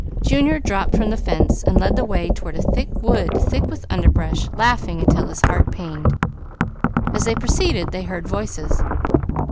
Junior dropped from the fence and led the way toward a wood thick with underbrush, laughing until his heart pained. As they proceeded they heard voices.